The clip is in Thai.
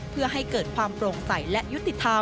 เพื่อให้เกิดความโปร่งใสและยุติธรรม